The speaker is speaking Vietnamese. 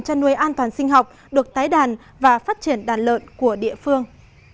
chăn nuôi an toàn sinh học được tái đàn và phát triển đàn lợn của địa phương